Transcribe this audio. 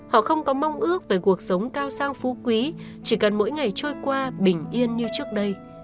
họ không có mong ước về cuộc sống cao sao phú quý chỉ cần mỗi ngày trôi qua bình yên như trước đây